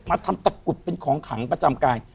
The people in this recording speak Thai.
ทำตะกรุดเป็นของขังประจำกาย